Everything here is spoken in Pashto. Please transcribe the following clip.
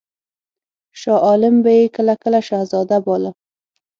شاه عالم به یې کله کله شهزاده باله.